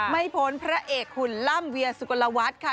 ไม่พ้นพระเอกคุณล่ำเวียสุโกนวัสค่ะ